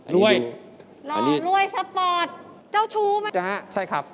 รวยรวยสปอร์ตเจ้าชู้ไหมครับอเจมส์อเจมส์ใช่ครับ